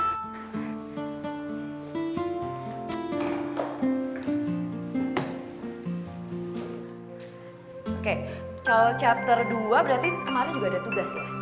oke kalau chapter dua berarti kemarin juga ada tugas ya